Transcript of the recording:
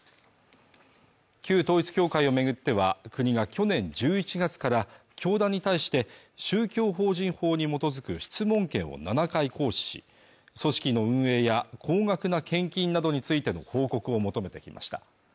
旧統一教会を巡っては国が去年１１月から教団に対して宗教法人法に基づく質問権を７回行使し組織の運営や高額な献金などについての報告を求めてきました